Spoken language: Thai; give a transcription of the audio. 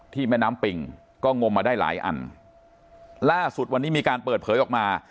แม่น้ำปิ่งก็งมมาได้หลายอันล่าสุดวันนี้มีการเปิดเผยออกมา